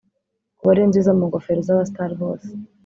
kuba ariyo nziza mu ngofero z’abastars bose